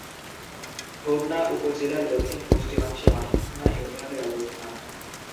হোমনা উপজেলার দক্ষিণ-পশ্চিমাংশে মাথাভাঙ্গা ইউনিয়নের অবস্থান।